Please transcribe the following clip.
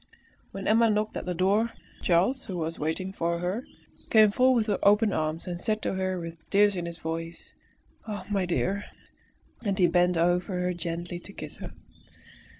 When Emma knocked at the door. Charles, who was waiting for her, came forward with open arms and said to her with tears in his voice "Ah! my dear!" And he bent over her gently to kiss her.